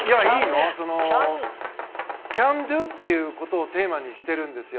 ＣＡＮＤＯということをテーマにしているんですよ。